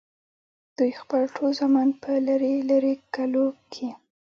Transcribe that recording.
دوي خپل ټول زامن پۀ لرې لرې کلو کښې